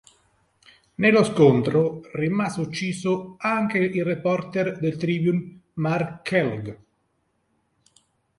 Nello scontro rimase ucciso anche il reporter del "Tribune" Mark Kellogg.